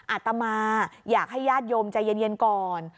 อาตมาอยากให้ญาติโยมใจเย็นก่อน